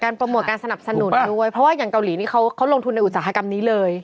โปรโมทการสนับสนุนด้วยเพราะว่าอย่างเกาหลีนี่เขาลงทุนในอุตสาหกรรมนี้เลย